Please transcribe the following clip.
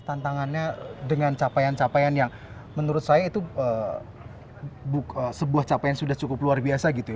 tantangannya dengan capaian capaian yang menurut saya itu sebuah capaian sudah cukup luar biasa gitu ya